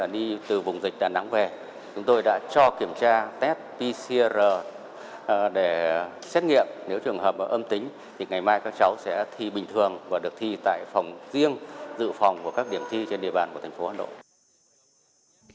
đi từ vùng dịch đà nẵng về chúng tôi đã cho kiểm tra test pcr để xét nghiệm nếu trường hợp âm tính thì ngày mai các cháu sẽ thi bình thường và được thi tại phòng riêng dự phòng của các điểm thi trên địa bàn của thành phố hà nội